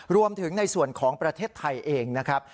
รวมถึงในส่วนของประเทศไทยเองนะครับ